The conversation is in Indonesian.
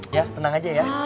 ya tenang aja ya